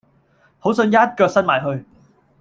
好想一腳伸埋去